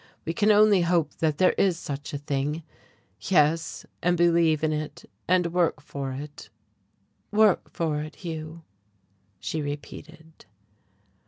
We can only hope that there is such a thing, yes, and believe in it and work for it." "Work for it, Hugh?" she repeated.